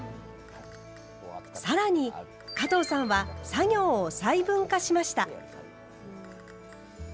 さらに加藤さんは作業を細分化しました。